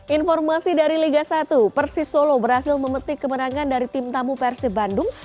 informasi dari liga satu persis solo berhasil memetik kemenangan dari tim tamu persib bandung